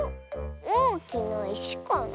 おおきないしかな？